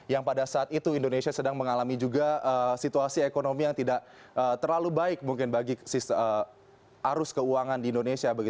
yang pada saat itu indonesia sedang mengalami juga situasi ekonomi yang tidak terlalu baik mungkin bagi arus keuangan di indonesia